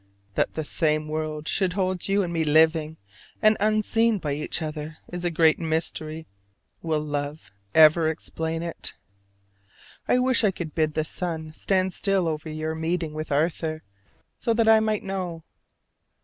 That the same world should hold you and me living and unseen by each other is a great mystery. Will love ever explain it? I wish I could bid the sun stand still over your meeting with Arthur so that I might know.